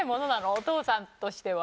お父さんとしては。